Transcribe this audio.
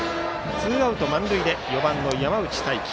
ツーアウト満塁で４番の山内太暉。